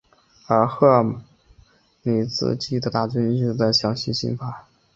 而赫梅尔尼茨基的大军一直都在向西进发。